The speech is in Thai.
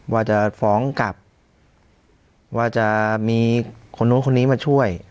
ว่าจะฟ้องกลับว่าจะมีคนนู้นคนนี้มาช่วย